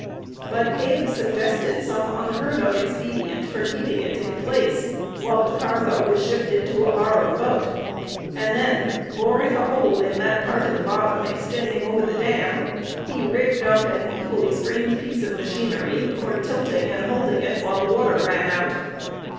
But Abe suggested some unheard of expedient for keeping it in place while the cargo was shifted to a borrowed boat, and then, boring a hole in that part of the bottom extending over the dam, he "rigged up" an equally strange piece of machinery for tilting and holding it while the water ran out.